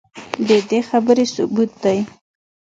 ددې خبرې ثبوت دے